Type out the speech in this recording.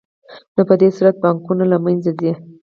نو په دې صورت کې بانکونه له منځه ځي